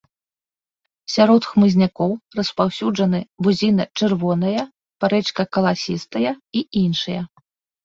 Сярод хмызнякоў распаўсюджаны бузіна чырвоная, парэчка каласістая і іншыя.